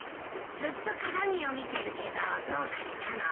ずっと鏡を見てるけどどうかしたの？